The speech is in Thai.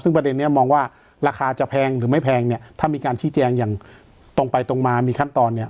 ซึ่งประเด็นนี้มองว่าราคาจะแพงหรือไม่แพงเนี่ยถ้ามีการชี้แจงอย่างตรงไปตรงมามีขั้นตอนเนี่ย